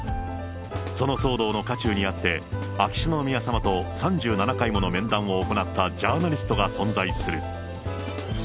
その騒動の渦中にあって、秋篠宮さまと３７回もの面談を行ったジャーナリストが存在する。